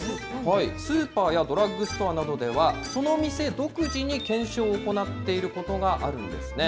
スーパーやドラッグストアなどでは、その店独自に懸賞を行っていることがあるんですね。